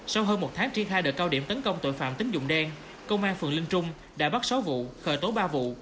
sau hơn một tháng triển khai đợt cao điểm tấn công tội phạm tính dụng đen công an phường linh trung đã bắt sáu vụ khởi tố ba vụ